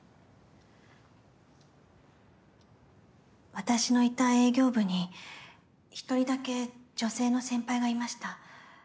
私のいた営業部に１人だけ女性の先輩がいました。